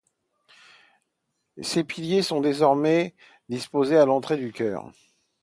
Ces piliers sont désormais disposés à l'entrée du chœur.